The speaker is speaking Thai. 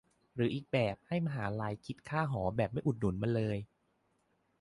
หรืออีกแบบ ก็ให้มหาลัยคิดค่าหอแบบไม่อุดหนุนมาเลย